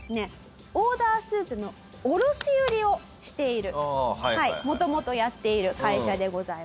オーダースーツの卸売りをしている元々やっている会社でございます。